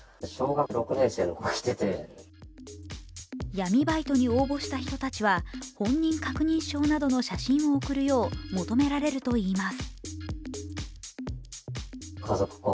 闇バイトに応募した人たちは本人確認証などの写真を送るよう求められるといいます。